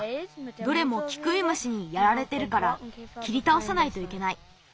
どれもキクイムシにやられてるからきりたおさないといけない。